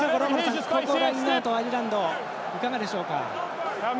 ここ、ラインアウトアイルランド、いかがでしょうか。